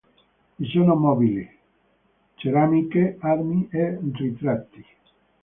Vi sono mobili, ceramiche, armi e ritratti.